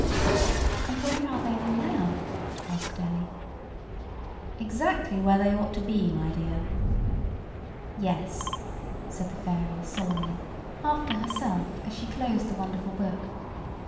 "And where are they all now?" asked Ellie. "Exactly where they ought to be, my dear." "Yes!" said the fairy, solemnly, half to herself, as she closed the wonderful book.